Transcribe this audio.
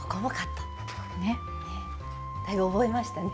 だいぶ覚えましたね。